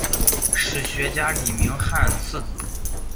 史学家李铭汉次子。